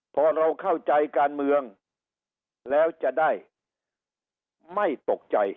พอเราเข้าใจการเมืองแล้วจะได้ไม่ตกใจ